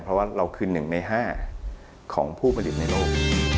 เพราะว่าเราคือหนึ่งในห้าของผู้ผลิตในโลก